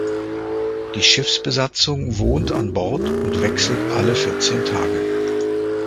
Die Schiffsbesatzung wohnt an Bord und wechselt alle vierzehn Tage.